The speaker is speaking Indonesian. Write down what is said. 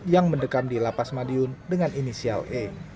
yang mendekam di lapas madiun dengan inisial e